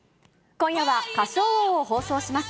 今夜は歌唱王を放送します。